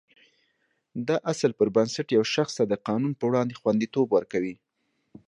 دا اصل پر بنسټ یو شخص ته د قانون په وړاندې خوندیتوب ورکوي.